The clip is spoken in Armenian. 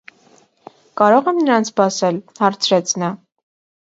- Կարո՞ղ եմ նրան սպասել,- հարցրեց նա: